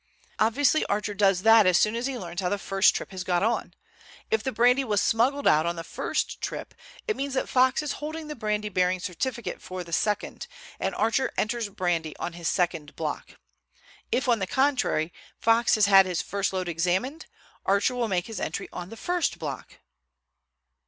"Obviously Archer does that as soon as he learns how the first trip has got on. If the brandy was smuggled out on the first trip, it means that Fox is holding the brandy bearing certificate for the second, and Archer enters brandy on his second block. If, on the contrary, Fox has had his first load examined, Archer will make his entry on the first block."